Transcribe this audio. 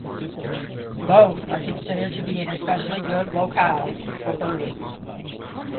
Both are considered to be an especially good locale for birding.